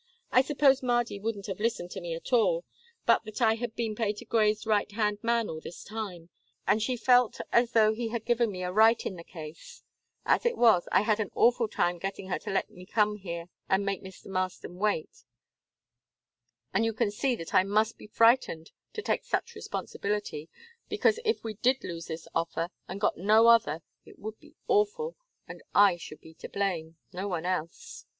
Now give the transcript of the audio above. "I suppose Mardy wouldn't have listened to me at all, but that I had been Patergrey's right hand man all this time, and she felt as though he had given me a right in the case; as it was, I had an awful time getting her to let me come here and make Mr. Marston wait, and you can see that I must be frightened to take such responsibility, because if we did lose this offer, and got no other, it would be awful, and I should be to blame no one else."